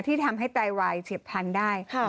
ที่ทำให้ไตวายเฉียบพันธุ์ได้